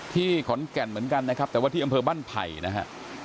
ขอนแก่นเหมือนกันนะครับแต่ว่าที่อำเภอบ้านไผ่นะฮะ